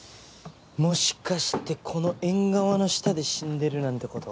もしかしてこの縁側の下で死んでるなんてこと。